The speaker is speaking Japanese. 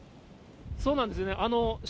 そうなんですよね。